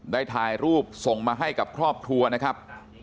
ได้ถ่ายรูปส่งมาให้กับครอบครัวนะครับ